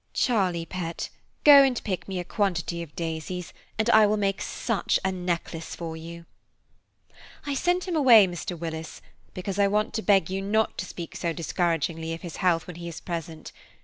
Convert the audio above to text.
"Charlie pet, go and pick me a quantity of daisies and I will make such a necklace for you. I sent him away, Mr. Willis, because I want to beg you not to speak so discouragingly of his health when he is present.